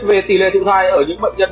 về tỷ lệ thụ thai ở những bệnh nhân